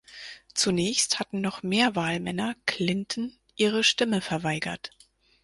Zunächst hatten noch mehr Wahlmänner Clinton ihre Stimme verweigert.